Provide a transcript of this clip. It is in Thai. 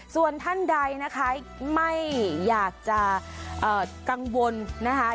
ส่วนท่านใดนะคะไม่อยากจะกังวลนะคะ